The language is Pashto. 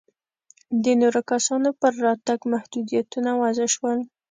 د نورو کسانو پر راتګ محدودیتونه وضع شول.